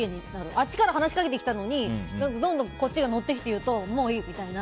あっちから話しかけてきたのにどんどんこっちが乗ってきて言うと、もういいみたいな。